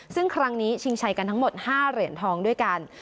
ซึ่งครั้งนี้ชิงชัยกันทั้งหมด๕เหรียญทองด้วยกัน